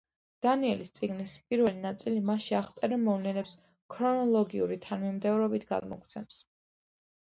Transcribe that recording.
დანიელის წიგნის პირველი ნაწილი მასში აღწერილ მოვლენებს ქრონოლოგიური თანმიმდევრობით გადმოგვცემს.